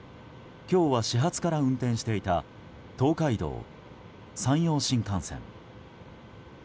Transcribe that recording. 今日は始発から運転していた東海道・山陽新幹線。